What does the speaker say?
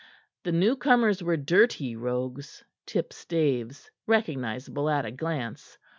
The newcomers were dirty rogues; tipstaves, recognizable at a glance.